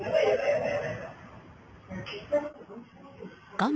画面